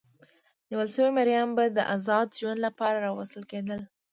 نیول شوي مریان به د ازاد ژوند لپاره راوستل کېدل.